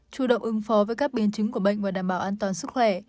chủ động ứng phó với các biến chứng của bệnh và đảm bảo an toàn sức khỏe